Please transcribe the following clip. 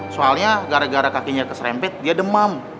soalnya gara gara kakinya keserempit dia demam